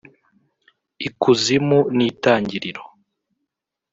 ikuzimu n’Itangiriro